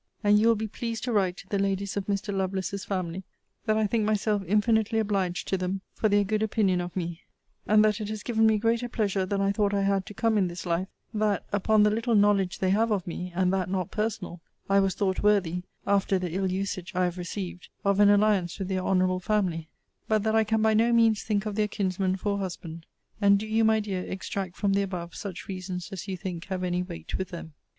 And you will be pleased to write to the ladies of Mr. Lovelace's family, that I think myself infinitely obliged to them for their good opinion of me; and that it has given me greater pleasure than I thought I had to come in this life, that, upon the little knowledge they have of me, and that not personal, I was thought worthy (after the ill usage I have received) of an alliance with their honourable family: but that I can by no means think of their kinsman for a husband: and do you, my dear, extract from the above such reasons as you think have any weight with them.